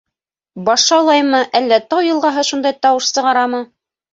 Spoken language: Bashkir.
Баш шаулаймы, әллә тау йылғаһы шундай тауыш сығарамы?